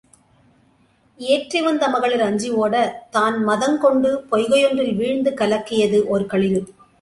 ஏற்றிவந்த மகளிர் அஞ்சி ஒட, தான் மதங்கொண்டு பொய்கை யொன்றில் வீழ்ந்து கலக்கியது ஒர் களிறு.